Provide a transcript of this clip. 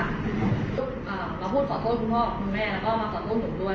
และพูดขอโทษคุณพ่อคุณแม่และมาขอโทษผมด้วย